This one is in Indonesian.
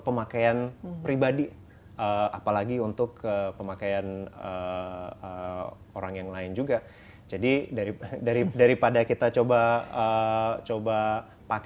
pemakaian pribadi apalagi untuk pemakaian orang yang lain juga jadi dari daripada kita coba coba pakai